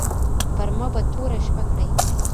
پر ما به توره شپه کړې